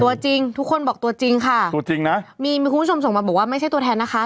ตัวจริงทุกคนบอกตัวจริงค่ะตัวจริงนะมีมีคุณผู้ชมส่งมาบอกว่าไม่ใช่ตัวแทนนะคะ